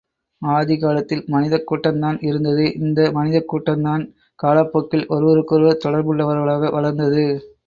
ஆதிகாலத்தில் மனிதக் கூட்டம்தான் இருந்தது இந்த மனிதக் கூட்டந்தான் காலப்போக்கில் ஒருவருக்கொருவர் தொடர்புள்ளவர்களாக வளர்ந்தது.